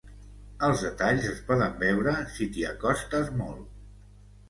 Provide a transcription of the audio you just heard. Els detalls es poden veure si t'hi acostes molt.